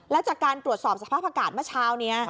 แล้วจากการตรวจสอบสภาพอากาศเมื่อเช้านี้